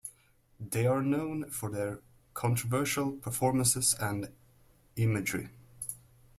They are known for their controversial performances and imagery.